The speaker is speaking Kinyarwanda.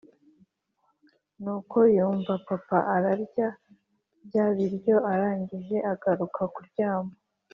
Ni uko yumva papa ararya bya biryo arangije agaruka kuryama.